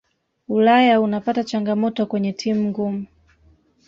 ulaya unapata changamoto kwenye timu ngumu